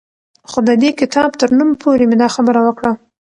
خو د دې کتاب تر نوم پورې مې دا خبره وکړه